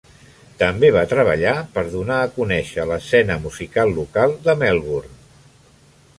També va treballar per donar a conèixer l'escena musical local de Melbourne.